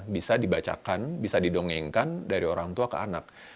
bisa dibacakan bisa didongengkan dari orang tua ke anak